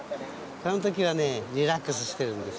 この時はリラックスしてるんです。